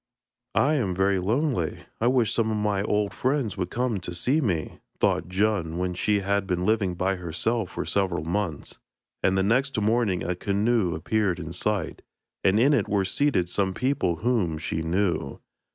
'I am very lonely: I wish some of my old friends would come to see me,' thought Djun when she had been living by herself for several months, and the next morning a canoe appeared in sight, and in it were seated some people whom she knew.